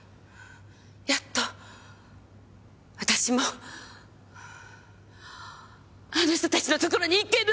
やっと私もあの人たちのところにいける！